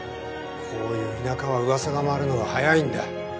こういう田舎は噂が回るのは早いんだ。